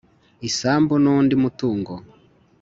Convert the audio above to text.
isambu n’undi mutungo: